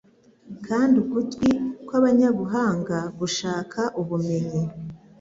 kandi ugutwi kw’abanyabuhanga gushaka ubumenyi